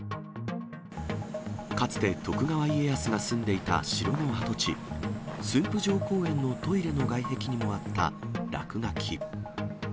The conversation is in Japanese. かつて徳川家康が住んでいた城の跡地、駿府城公園のトイレの外壁にもあった落書き。